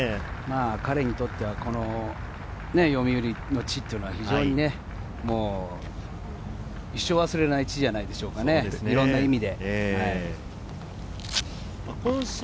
彼にとっては、このよみうりの地というのは非常に、一生忘れない地じゃないでしょうか、いろんな意味で。